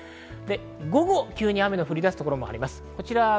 午後、急に雨の降り出す所もあります。